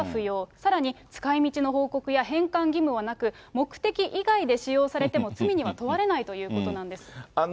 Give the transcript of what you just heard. さらに使いみちの報告や返還義務はなく、目的以外で使用されても罪には問われないということなんです。